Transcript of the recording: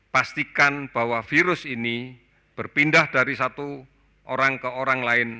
pastikan bahwa virus ini berpindah dari satu orang ke orang lain